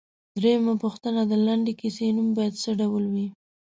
درېمه پوښتنه ـ د لنډې کیسې نوم باید څه ډول وي؟